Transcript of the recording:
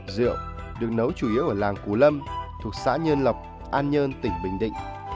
rượu được nấu chủ yếu ở làng cú lâm thuộc xã nhơn lọc an nhơn tỉnh bình định